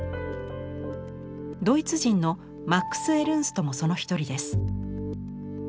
ドイツ人のマックス・エルンストもその一人です。